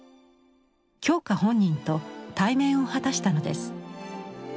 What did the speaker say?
鏡花本人と対面を果たしたのです。